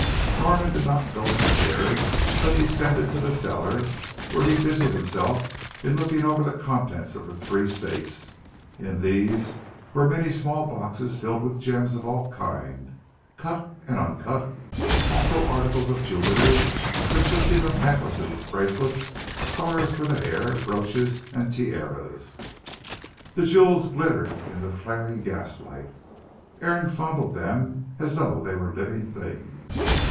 Norman did not go upstairs, but descended to the cellar, where he busied himself in looking over the contents of the three safes. In these, were many small boxes filled with gems of all kind, cut and uncut: also articles of jewellery consisting of necklaces, bracelets, stars for the hair, brooches, and tiaras. The jewels glittered in the flaring gaslight, and Aaron fondled them as though they were living things.